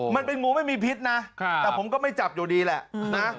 มันเป็นงูไม่มีพิษนะแต่ผมก็ไม่จับอยู่ดีแหละนะ